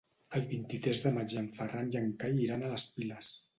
El vint-i-tres de maig en Ferran i en Cai iran a les Piles.